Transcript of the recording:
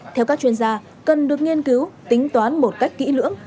theo các chuyên gia cần được nghiên cứu tính toán một cách kỹ lưỡng